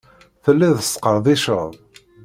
Telliḍ tesqerdiceḍ.